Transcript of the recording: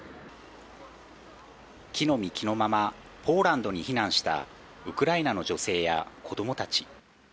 着の身着のままポーランドに避難したウクライナの女性や子供たち。